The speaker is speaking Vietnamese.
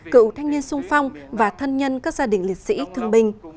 cựu thanh niên sung phong và thân nhân các gia đình liệt sĩ thương binh